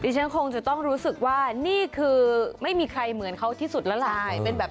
ฉันคงจะต้องรู้สึกว่านี่คือไม่มีใครเหมือนเขาที่สุดแล้วล่ะ